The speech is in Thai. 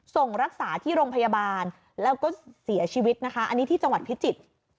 ส่งรักษาที่โรงพยาบาลแล้วก็เสียชีวิตนะคะอันนี้ที่จังหวัดพิจิตร